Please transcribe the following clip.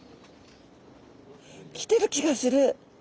きてる気がする！